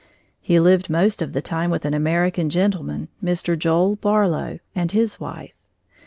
He lived most of the time with an American gentleman, Mr. Joel Barlow, and his wife.